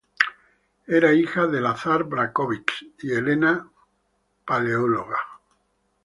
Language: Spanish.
Era la hija de Lazar Branković y Helena Paleóloga.